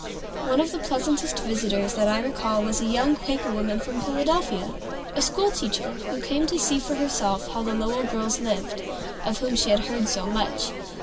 One of the pleasantest visitors that I recall was a young Quaker woman from Philadelphia, a school teacher, who came to see for herself how the Lowell girls lived, of whom she had heard so much.